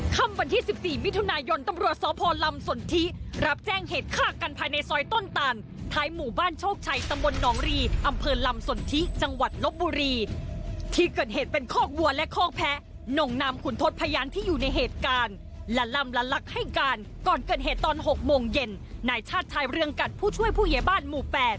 เกิดเหตุตอน๖โมงเย็นนายชาดชายเรื่องกัดผู้ช่วยผู้เหยบ้านหมู่๘